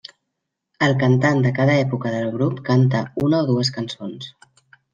El cantant de cada època del grup canta una o dues cançons.